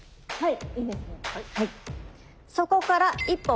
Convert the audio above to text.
はい。